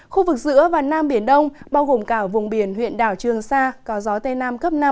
khu vực giữa và nam biển đông bao gồm cả vùng biển huyện đảo trường sa có gió tây nam cấp năm